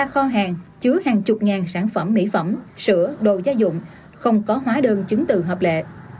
ba kho hàng chứa hàng chục ngàn sản phẩm mỹ phẩm sữa đồ gia dụng không có hóa đơn chứng từ hợp lệ